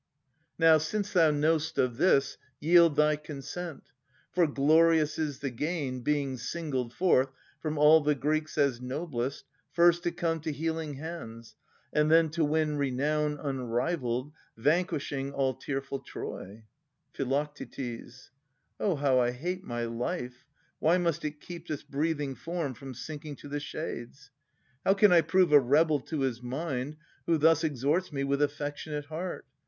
1343 1372] Philodetes 315 Now, since thou know'st of this, yield thy consent ; For glorious is the gain, being singled forth From all the Greeks as noblest, first to come To healing hands, and then to win renown Unrivalled, vanquishing all tearful Troy. Phi. Oh how I hate my life ! Why must it keep This breathing form from sinking to the shades? How can I prove a rebel to his mind Who thus exhorts me with affectionate heart?